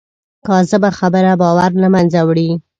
کاذبه خبره باور له منځه وړي